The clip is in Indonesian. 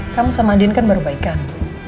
kamu sama adin kan baru baikan